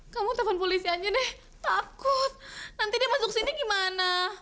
kamu telpon polisi aja deh takut nanti dia masuk sini gimana